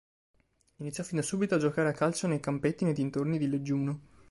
Iniziò fin da subito a giocare a calcio nei campetti nei dintorni di Leggiuno.